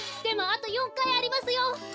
でもあと４かいありますよ！